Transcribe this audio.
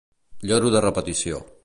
Lloro de repetició.